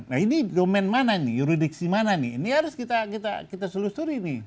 nah ini domen mana nih yuridiksi mana nih ini harus kita selusuri nih